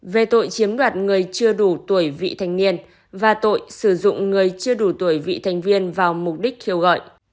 về tội chiếm đoạt người chưa đủ tuổi vị thanh niên và tội sử dụng người chưa đủ tuổi vị thanh viên vào mục đích khiêu gọi